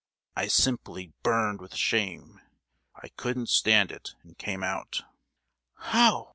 I simply burned with shame,—I couldn't stand it, and came out." "How!